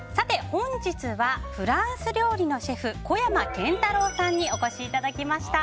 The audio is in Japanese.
本日は、フランス料理のシェフ小山健太郎さんにお越しいただきました。